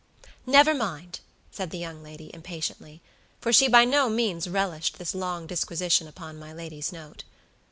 "Nevermind," said the young lady, impatiently; for she by no means relished this long disquisition upon my lady's note.